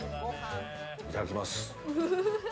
いただきます。